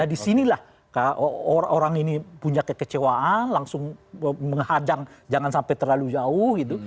disinilah orang orang ini punya kekecewaan langsung menghadang jangan sampai terlalu jauh gitu